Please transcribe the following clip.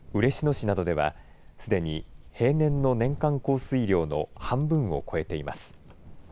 市などではすでに平年の年間降水量の半分を超えています。